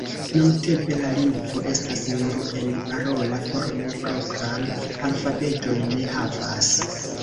Nuntempe la lingvo estas nur en parola formo, propran alfabeton ne havas.